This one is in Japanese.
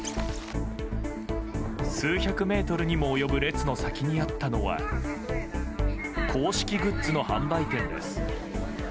数百メートルにも及ぶ列の先にあったのは公式グッズの販売店です。